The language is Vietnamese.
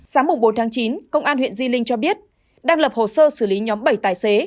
sáng bốn tháng chín công an huyện di linh cho biết đang lập hồ sơ xử lý nhóm bảy tài xế